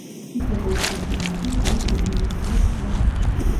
ის იყო უფროსი ვაჟი თავის დედმამიშვილებს შორის.